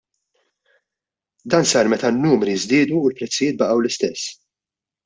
Dan sar meta n-numri żdiedu u l-prezzijiet baqgħu l-istess.